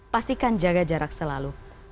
pastikan jaga jarak selalu